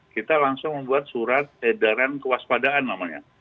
kita langsung membuat surat edaran kewaspadaan namanya